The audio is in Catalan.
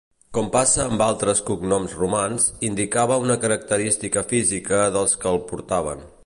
Com passa amb altres cognoms romans, indicava una característica física dels que el portaven.